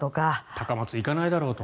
高松に行かないだろうと。